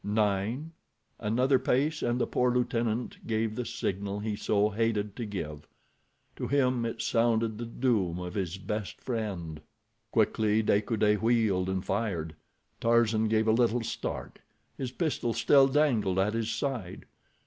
Nine! Another pace, and the poor lieutenant gave the signal he so hated to give. To him it sounded the doom of his best friend. Quickly De Coude wheeled and fired. Tarzan gave a little start. His pistol still dangled at his side.